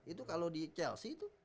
itu kalau di chelsea itu